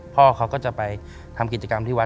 พ่อเขาก็จะไปทำกิจกรรมที่วัด